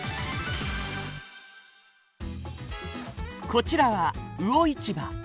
こちらは魚市場。